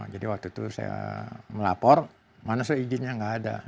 jadi waktu itu saya melapor mana sudah izinnya gak ada